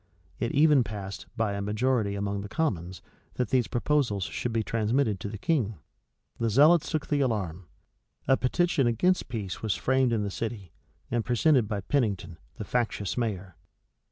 It even passed by a majority among the commons, that these proposals should be transmitted to the King. The zealots took the alarm. A petition against peace was framed in the city, and presented by Pennington, the factious mayor.